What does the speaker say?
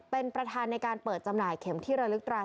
เป็นประธานในการเปิดจำหน่ายเข็มที่ระลึกตราด